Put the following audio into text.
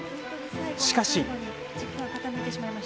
しかし。